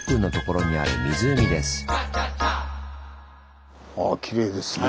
ああきれいですね。